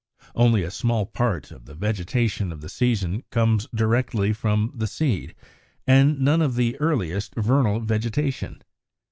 Only a small part of the vegetation of the season comes directly from the seed, and none of the earliest vernal vegetation.